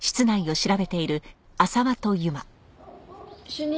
主任。